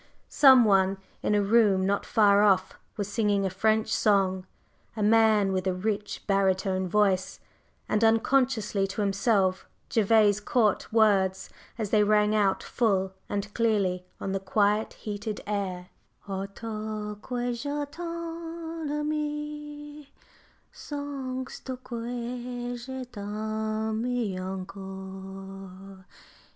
Some one in a room not far off was singing a French song, a man with a rich baritone voice, and unconsciously to himself Gervase caught the words as they rang out full and clearly on the quiet, heated air O toi que j'ai tant aimée Songes tu que je t'aime encor?